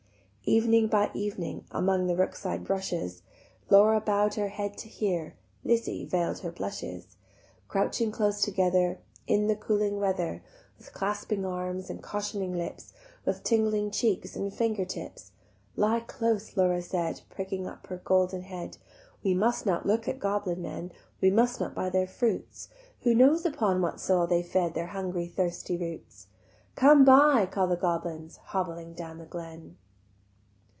Evening by evening Among the brookside rushes, Laura bow'd her head to hear, Lizzie veil'd her blushes: Crouching close together In the cooling weather, With clasping arms and cautioning lips, With tingling cheeks and finger tips. "Lie close," Laura said, Pricking up her golden head: "We must not look at goblin men, We must not buy their fruits: Who knows upon what soil they fed Their hungry thirsty roots?" "Come buy," call the goblins Hobbling down the glen.